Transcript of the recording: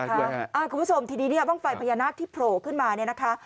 คุณผู้ชมทีนี้เนี่ยบ้างไฟพญานาคที่โผล่ขึ้นมาเนี่ยนะคะ